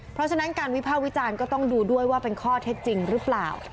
เพราะฉะนั้นการวิภาควิจารณ์ก็ต้องดูด้วยว่าเป็นข้อเท็จจริงหรือเปล่า